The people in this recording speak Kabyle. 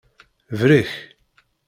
Brek.